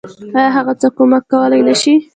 آيا هغه څه کمک کولی نشي.